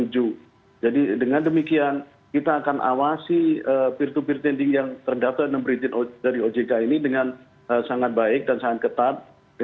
jadi dengan demikian kita akan awasi peer to peer lending yang terdaftar dan memberikan dari ojk ini dengan sangat baik dan sangat ketat